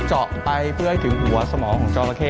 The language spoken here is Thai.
เจาะไปเพื่อให้ถึงหัวสมองของจอราเข้